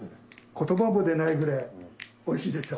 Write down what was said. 言葉も出ないぐらいおいしいでしょ。